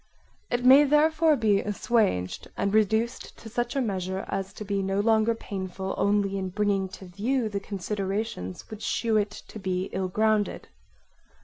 It may therefore be assuaged and reduced to such a measure as to be no longer painful only in bringing to view the considerations which shew it to be ill grounded.